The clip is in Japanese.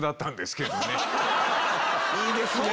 いいですねぇ。